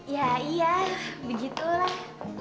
ya iya begitulah